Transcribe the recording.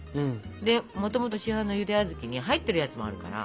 でもともと市販のゆで小豆に入っているやつもあるから。